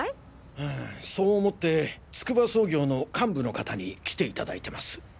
ああそう思ってツクバ総業の幹部の方に来ていただいてます。